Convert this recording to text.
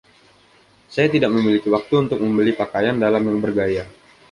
Saya tidak memiliki waktu untuk membeli pakaian dalam yang bergaya.